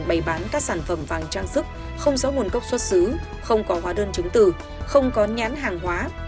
bày bán các sản phẩm vàng trang sức không giấu nguồn cốc xuất xứ không có hóa đơn chứng tử không có nhãn hàng hóa